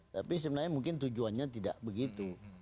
tapi sebenarnya mungkin tujuannya tidak begitu